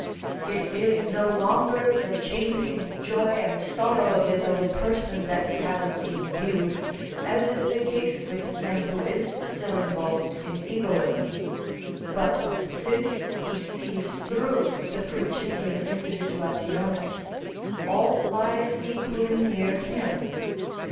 It is no longer the changing joy and sorrow of his own person that he has in view, as is the case with him who is still involved in egoism; but, since he sees through the principium individuationis, all lies equally near him.